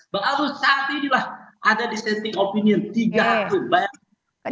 baru saat inilah ada dissenting opinion tiga